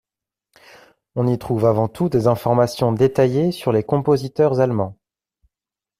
On y trouve avant tout des informations détaillées sur les compositeurs allemands.